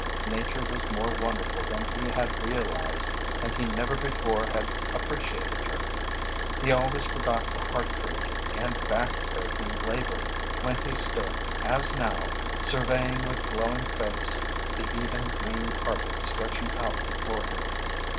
Nature was more wonderful than he had realized and he never before had appreciated her. He always forgot the heart breaking and back breaking labour when he stood as now, surveying with glowing face the even green carpet stretching out before him.